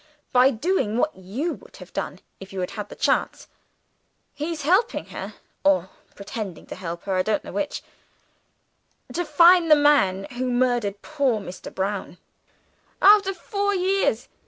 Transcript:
By doing what you would have done if you had had the chance. He's helping her or pretending to help her, I don't know which to find the man who murdered poor Mr. Brown. After four years!